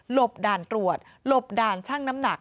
บด่านตรวจหลบด่านช่างน้ำหนัก